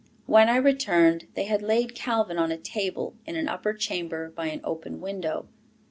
When I returned, they had laid Calvin on a table in an upper chamber by an open window.